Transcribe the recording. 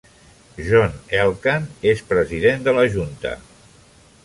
John Elkann és president de la junta.